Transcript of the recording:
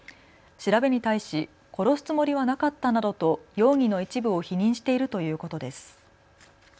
調べに対し殺すつもりはなかったなどと容疑の一部を否認しているということです。